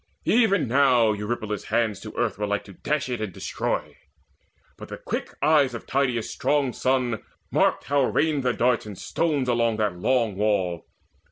Even now Eurypylus' hands To earth were like to dash it and destroy; But the quick eyes of Tydeus' strong son marked How rained the darts and stones on that long wall.